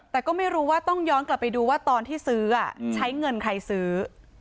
แต่ก็ไม่รู้ว่าต้องย้อนกลับไปดูว่าตอนที่ซื้อใช้เงินใครซื้อ